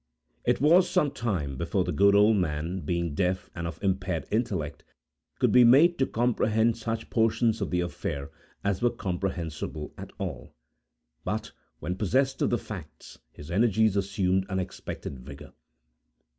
It was some time before the good old man, being deaf, and of impaired intellect, could be made to comprehend such portions of the affair as were comprehensible at all. But, when possessed of the facts, his energies assumed unexpected vigor.